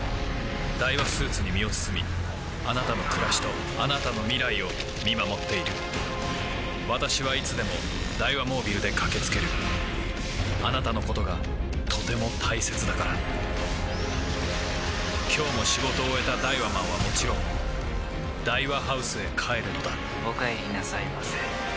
ダイワスーツに身を包みあなたの暮らしとあなたの未来を見守っている私はいつでもダイワモービルで駆け付けるあなたのことがとても大切だから今日も仕事を終えたダイワマンはもちろんダイワハウスへ帰るのだお帰りなさいませ。